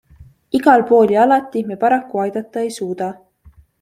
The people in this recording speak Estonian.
Igal pool ja alati me paraku aidata ei suuda.